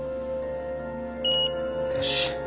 よし。